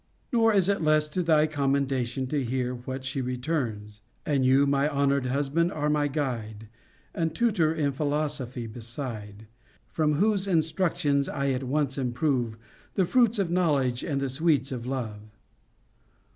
* Nor is it less to thy commendation to hear what she returns : And you, my honored husband, are my guide And tutor in philosophy beside, From whose instructions I at once improve The fruits of knowledge and the sweets of love.